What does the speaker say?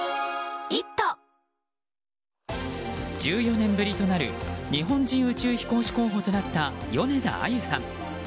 １４年ぶりとなる日本人宇宙飛行士候補となった米田あゆさん。